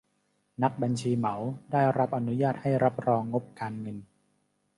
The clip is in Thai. นักบัญชีเหมาได้รับอนุญาตให้รับรองงบการเงิน